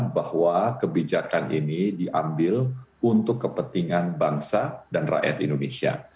bahwa kebijakan ini diambil untuk kepentingan bangsa dan rakyat indonesia